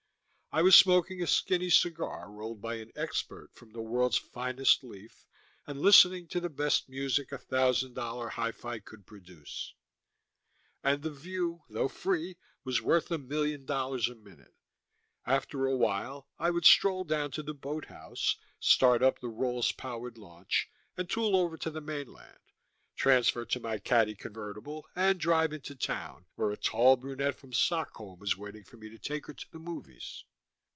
I was smoking a skinny cigar rolled by an expert from the world's finest leaf, and listening to the best music a thousand dollar hi fi could produce. And the view, though free, was worth a million dollars a minute. After a while I would stroll down to the boathouse, start up the Rolls powered launch, and tool over to the mainland, transfer to my Caddie convertible, and drive into town where a tall brunette from Stockholm was waiting for me to take her to the movies.